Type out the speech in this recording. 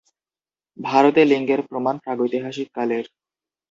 ভারতে লিঙ্গের প্রমাণ প্রাগৈতিহাসিক কালের।